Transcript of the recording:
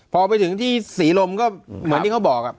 พอไปถึงที่ศรีลมก็เหมือนที่เขาบอก